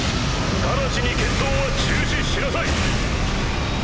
直ちに決闘は中止しなさい！